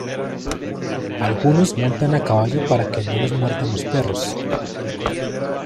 Algunos montan a caballo para que no los muerdan los perros.